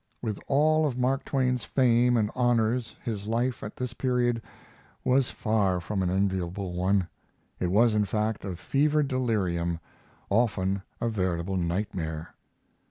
With all of Mark Twain's fame and honors his life at this period was far from an enviable one. It was, in fact, a fevered delirium, often a veritable nightmare.